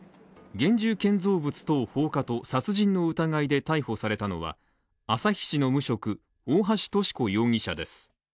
現住建造物等放火と殺人の疑いで逮捕されたのは、旭市の無職、大橋とし子容疑者です。